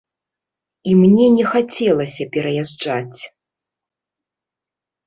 І мне не хацелася пераязджаць.